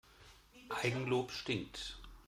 Eigenlob stinkt.